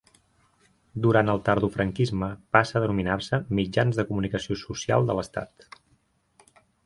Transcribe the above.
Durant el tardofranquisme passa a denominar-se Mitjans de Comunicació Social de l'Estat.